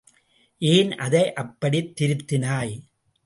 ஏன் அதை அப்படித் திருத்தினாய்?